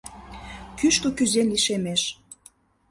Кӱшкӧ кӱзен, лишемеш...